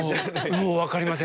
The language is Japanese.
もう分かりません。